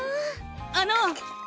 あの！